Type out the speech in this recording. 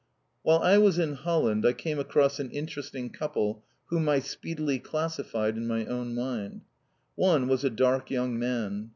While I was in Holland I came across an interesting couple whom I speedily classified in my own mind. One was a dark young man.